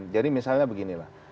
jadi misalnya beginilah